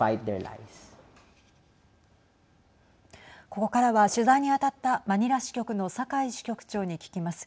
ここからは取材に当たったマニラ支局の酒井支局長に聞きます。